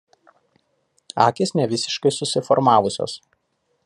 Akys nevisiškai susiformavusios.